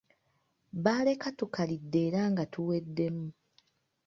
Baleka tukalidde era nga tuwedemu.